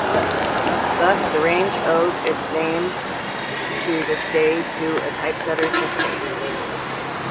Thus the range owes its name to this day to a typesetter's mistake.